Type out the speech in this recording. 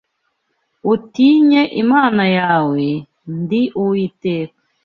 utinye Imana yawe, ndi Uwiteka